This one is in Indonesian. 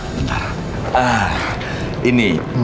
ini mas beliin yang istimewa